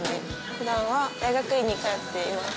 普段は大学院に通っています。